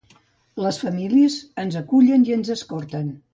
Les famílies ens acullen i ens escorten.